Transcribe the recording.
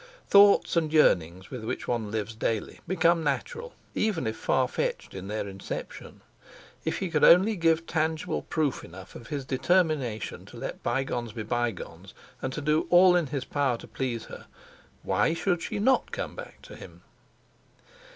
Thoughts and yearnings, with which one lives daily, become natural, even if far fetched in their inception. If he could only give tangible proof enough of his determination to let bygones be bygones, and to do all in his power to please her, why should she not come back to him?